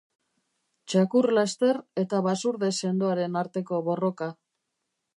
Txakur laster eta basurde sendoaren arteko borroka